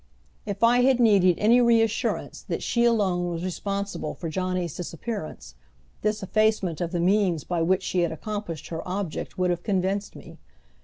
If I had needed any reassurance that she alone was responsible for Johnny's disappearance, this effacement of the means by which she had accomplished her object would have convinced me.